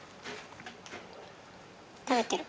食べてる。